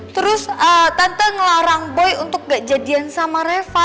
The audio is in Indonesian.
terus tante ngelarang boy untuk gak jadian sama reva